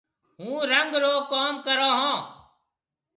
هُون رنگ رو ڪم ڪرون هون۔